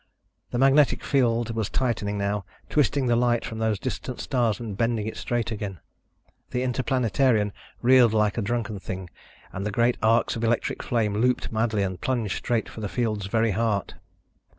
The magnetic field was tightening now, twisting the light from those distant stars and bending it straight again. The Interplanetarian reeled like a drunken thing and the great arcs of electric flame looped madly and plunged straight for the field's very heart.